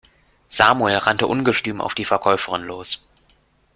Samuel rannte ungestüm auf die Verkäuferin los.